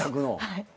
はい。